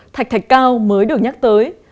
thạch thạch cao mới được nhắc tới